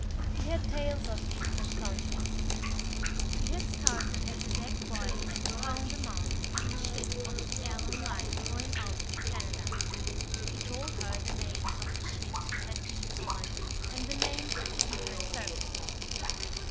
He had tales of distant countries. He had started as a deck boy at a pound a month on a ship of the Allan Line going out to Canada. He told her the names of the ships he had been on and the names of the different services.